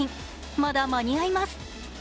まだ間に合います！